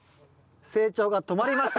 成長が止まりました。